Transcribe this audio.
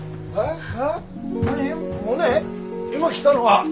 今来たのが？